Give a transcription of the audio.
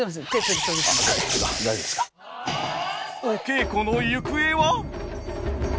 お稽古の行方は？